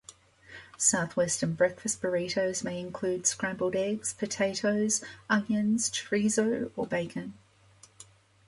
Southwestern breakfast burritos may include scrambled eggs, potatoes, onions, chorizo, or bacon.